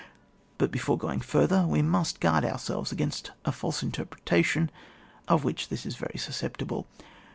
But before going further, we must guard ourselves against a false inter pretation of which this is very suscep tible.